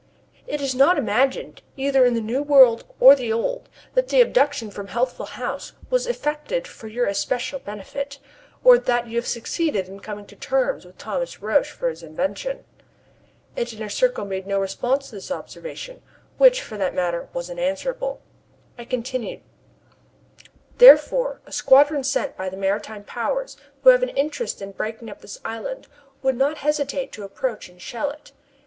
It is not imagined, either in the new world or the old, that the abduction from Healthful House was effected for your especial benefit, or that you have succeeded in coming to terms with Thomas Roch for his invention." Engineer Serko made no response to this observation, which, for that matter, was unanswerable. I continued: "Therefore a squadron sent by the maritime powers who have an interest in breaking up this island would not hesitate to approach and shell it.